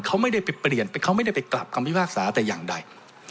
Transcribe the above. เขาไม่ได้ไปเปลี่ยนเขาไม่ได้ไปกลับคำพิพากษาแต่อย่างใด